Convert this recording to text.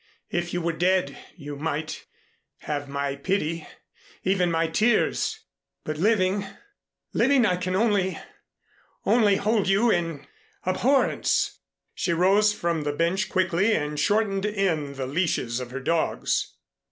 "If you were dead you might have my pity even my tears, but living living I can only only hold you in abhorrence." She rose from the bench quickly and shortened in the leashes of her dogs.